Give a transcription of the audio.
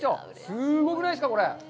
すごくないですか。